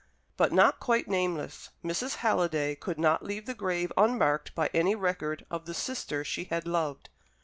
But not quite nameless. Mrs. Halliday could not leave the grave unmarked by any record of the sister she had loved.